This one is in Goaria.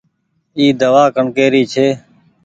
اي دوآ ڪڻڪي ري ڇي۔